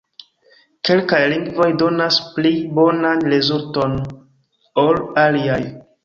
Kelkaj lingvoj donas pli bonan rezulton ol aliaj.